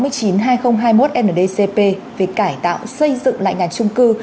mới đây chính phủ đã ban hành nghị định số sáu mươi chín hai nghìn hai mươi một ndcp về cải tạo xây dựng lại nhà trung cư